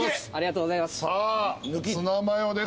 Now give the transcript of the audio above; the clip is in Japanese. さぁツナマヨです。